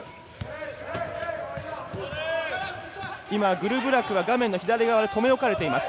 グルブラクは画面の左側でとめ置かれています。